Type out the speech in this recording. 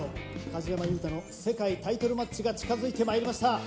梶山裕太の世界タイトルマッチが近づいてまいりました。